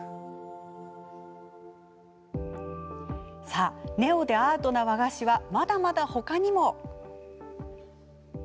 さあ、ネオでアートな和菓子はまだまだ他にも。